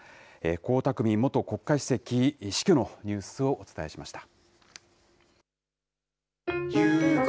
江沢民元国家主席、死去のニュースをお伝えしました。